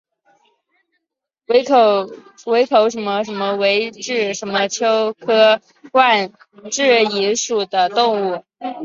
围口冠蛭蚓为蛭蚓科冠蛭蚓属的动物。